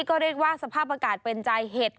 ก็เรียกว่าสภาพอากาศเป็นใจเห็ด